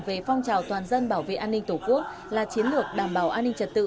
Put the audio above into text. về phong trào toàn dân bảo vệ an ninh tổ quốc là chiến lược đảm bảo an ninh trật tự